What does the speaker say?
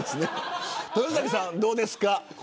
豊崎さんはどうですか。